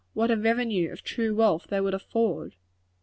what a revenue of true wealth they would afford!